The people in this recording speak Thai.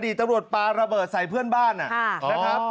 อดีตตำรวจปลาระเบิดใส่เพื่อนบ้านอ่ะอ๋อ